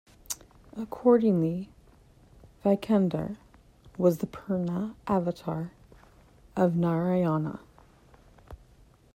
Accordingly, Vaikundar was the Purna avatar of Narayana.